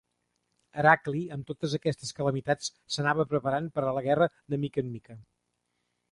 Heracli amb totes aquestes calamitats s'anava preparant per a la guerra de mica en mica.